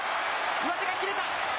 上手が切れた。